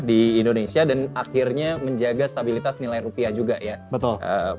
di indonesia dan akhirnya menjaga stabilitas nilai rupiah juga ya betul